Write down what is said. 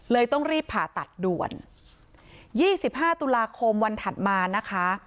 ต้องรีบผ่าตัดด่วน๒๕ตุลาคมวันถัดมานะคะ